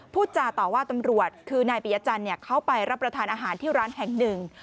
พูดจาต่อว่าตำรวจคือนายปิยจันทร์เข้าไปรับประทานอาหารที่ร้านแห่งหนึ่ง